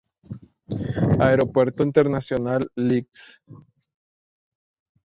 Aeropuerto Internacional Lic.